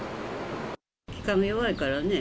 気管が弱いからね。